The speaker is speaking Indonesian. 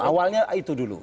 awalnya itu dulu